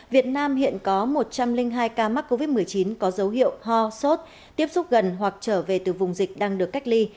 việt nam hiện có một trăm linh hai ca mắc covid một mươi chín có dấu hiệu ho sốt tiếp xúc gần hoặc trở về từ vùng dịch đang được cách ly